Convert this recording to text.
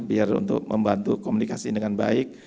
biar untuk membantu komunikasi dengan baik